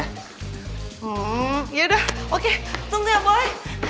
hmm yaudah oke tunggu ya boy